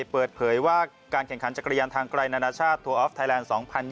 เปิดเผยว่าการแข่งขันจักรยานทางไกลนานาชาติทัวออฟไทยแลนด์๒๐๒๐